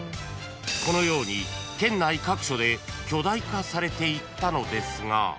［このように県内各所で巨大化されていったのですが］